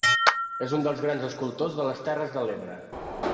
És un dels grans escultors de les Terres de l'Ebre.